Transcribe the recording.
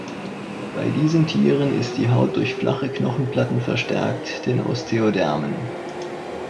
Bei diesen Tieren ist die Haut durch flache Knochenplatten verstärkt, den Osteodermen.